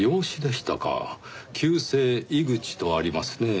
旧姓井口とありますねぇ。